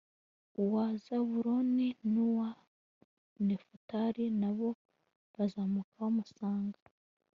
uwa zabuloni n'uwa nefutali, na bo bazamuka bamusanga